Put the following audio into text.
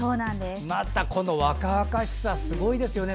また若々しさ、すごいですね。